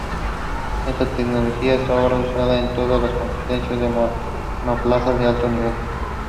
Whitty was survived by his wife and their two children.